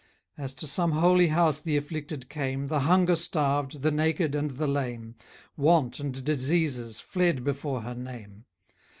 As to some holy house the afflicted came, } The hunger starved, the naked, and the lame, } Want and diseases fled before her name.